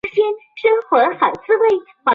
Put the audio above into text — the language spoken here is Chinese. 威塞尔超过耶稣何等高不可攀的高度！